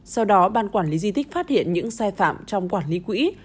sau đó ban quản lý di tích phát hiện những sai phạm trong quản lý quỹ